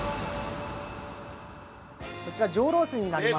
こちら上ロースになります。